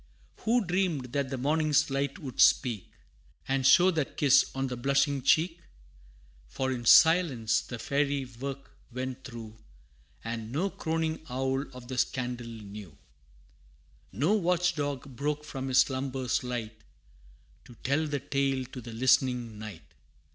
Who dreamed that the morning's light would speak, And show that kiss on the blushing cheek? For in silence the fairy work went through And no croning owl of the scandal knew: No watch dog broke from his slumbers light, To tell the tale to the listening night.